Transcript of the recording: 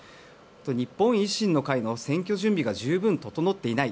日本維新の会の選挙準備が十分整っていない